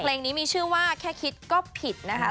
เพลงนี้มีชื่อว่าแค่คิดก็ผิดนะคะ